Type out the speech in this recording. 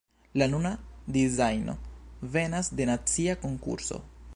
La nuna dizajno venas de nacia konkurso.